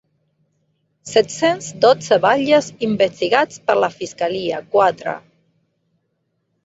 Set-cents dotze batlles investigats per la fiscalia; quatre.